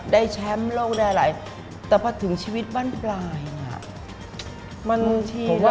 ได้แชมป์โลกได้อะไรแต่พอถึงชีวิตบ้านปลายเนี่ย